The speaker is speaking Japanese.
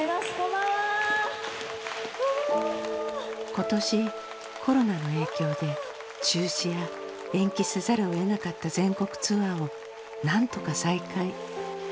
今年コロナの影響で中止や延期せざるをえなかった全国ツアーを何とか再開。